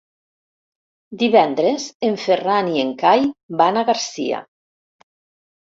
Divendres en Ferran i en Cai van a Garcia.